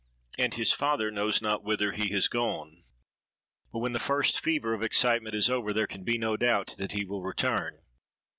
—'And his father knows not whither he has gone,' continued he: 'but when the first fever of excitement is over, there can be no doubt that he will return.